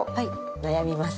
悩みます。